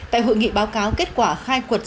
tại hội nghị báo cáo kết quả khai quật